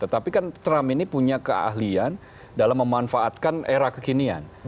tetapi kan trump ini punya keahlian dalam memanfaatkan era kekinian